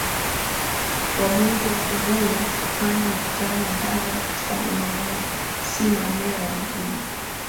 Wabunge wapo huru kufanya mikutano ya hadhara katika maeneo yao si maeneo ya wengine